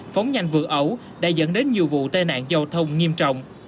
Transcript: phóng nhanh vừa ẩu đã dẫn đến nhiều vụ tai nạn giao thông nghiêm trọng